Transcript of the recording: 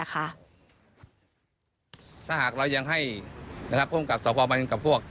ถ้าหากเรายังให้พรุ่งกับสบกับพวก